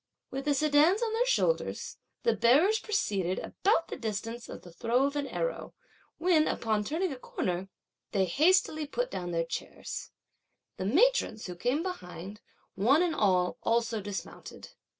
With the sedans on their shoulders, (the bearers) proceeded about the distance of the throw of an arrow, when upon turning a corner, they hastily put down the chairs. The matrons, who came behind, one and all also dismounted.